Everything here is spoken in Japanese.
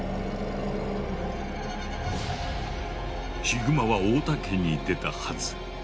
ヒグマは太田家に出たはず。